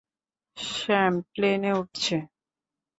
Sam প্লেনে উঠছে?